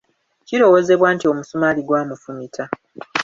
Kirowoozebwa nti omusumaali gwamufumita.